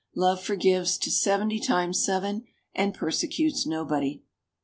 Love forgives to seventy times seven and persecutes nobody.